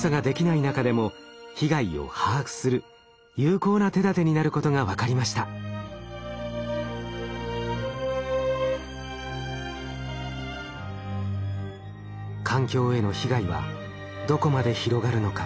環境への被害はどこまで広がるのか。